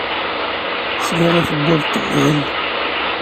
Sliɣ i tewwurt temdel.